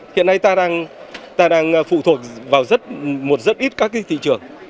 hiện nay ta đang phụ thuộc vào rất ít các thị trường